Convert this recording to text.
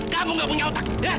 kamu gak punya otak